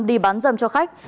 đi bán dâm cho khách